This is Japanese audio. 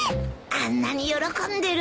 あんなに喜んでる。